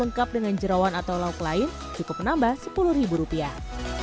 lengkap dengan jerawan atau lauk lain cukup menambah sepuluh ribu rupiah